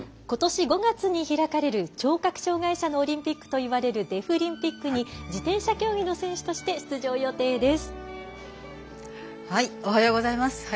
ことし５月に開かれる聴覚障がい者のオリンピックといわれるデフリンピックに自転車競技の選手として出場予定です。